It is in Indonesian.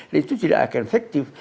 dan itu tidak akan efektif